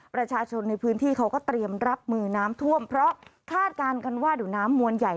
ประชาชนในพื้นที่เขาก็เตรียมรับมือน้ำท่วมเพราะคาดการณ์กันว่าเดี๋ยวน้ำมวลใหญ่